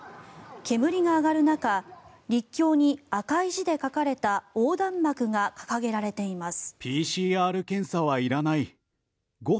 煙が上がる中、陸橋に赤い字で書かれた横断幕が掲げられています。